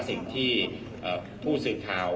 สิ่งที่ผู้สื่อข่าว